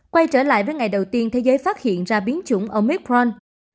quay trở lại với ngày đầu tiên thế giới phát hiện ra biến chủng omicron